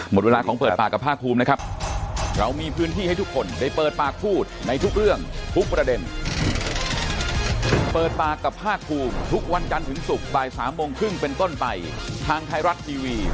หมดเวลาของเปิดปากกับภาคภูมินะครับ